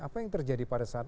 apa yang terjadi pada saat